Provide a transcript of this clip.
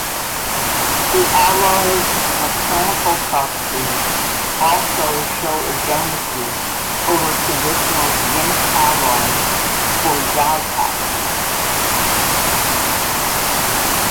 The alloy's mechanical properties also show advantages over traditional zinc alloys for die casting.